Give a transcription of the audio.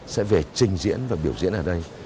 sẽ về trình diễn và biểu diễn ở đây